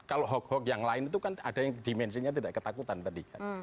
kalau hoax hoax yang lain itu kan ada yang dimensinya tidak ketakutan tadi kan